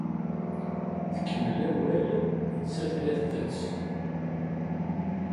Tkemmel awal, nettat la tettett.